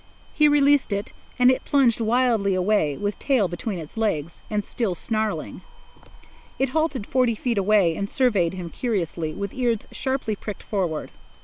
He released it, and it plunged wildly away, with tail between its legs, and still snarling. It halted forty feet away and surveyed him curiously, with ears sharply pricked forward.